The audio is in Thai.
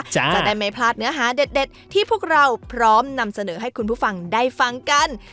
จะได้ไม่พลาดเนื้อหาเด็ดที่พวกเราพร้อมนำเสนอให้คุณผู้ฟังได้ฟังกัน